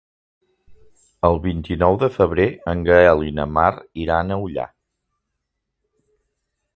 El vint-i-nou de febrer en Gaël i na Mar iran a Ullà.